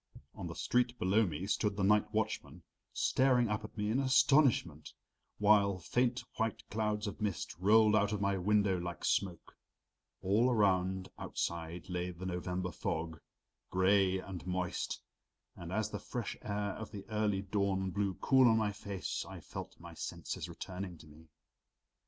On the street below me stood the night watchman, staring up at me in astonishment, while faint white clouds of mist rolled out of my window like smoke. All around outside lay the November fog, gray and moist, and as the fresh air of the early dawn blew cool on my face I felt my senses returning to me.